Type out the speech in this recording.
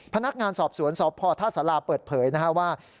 พนักงานสอบสวนสอบพ่อท่าสาราเปิดเผยว่า